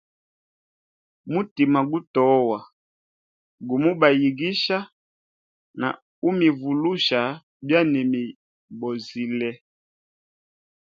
Mutima gutoa gumubayigisha na umivulusha byanimibozile.